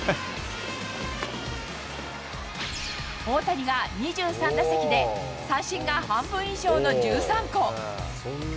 大谷が２３打席で、三振が半分以上の１３個。